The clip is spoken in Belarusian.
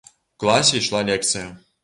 У класе ішла лекцыя.